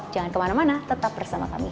jangan kemana mana tetap bersama kami